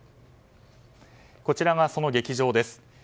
こちらが、その劇場です。